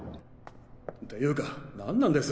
ていうかなんなんです